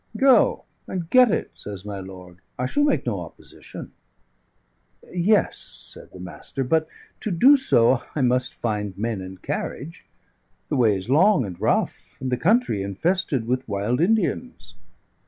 "Go and get it," says my lord. "I shall make no opposition." "Yes," said the Master; "but to do so I must find men and carriage. The way is long and rough, and the country infested with wild Indians.